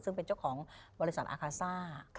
ซึ่งเป็นเจ้าของบริษัทอาคาซ่า